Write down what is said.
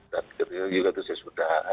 dan juga itu saya sebutkan